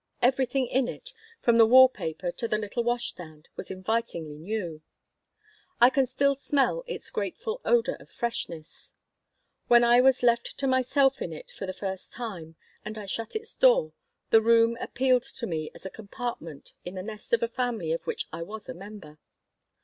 Everything in it, from the wall paper to the little wash stand, was invitingly new. I can still smell its grateful odor of freshness. When I was left to myself in it for the first time and I shut its door the room appealed to me as a compartment in the nest of a family of which I was a member.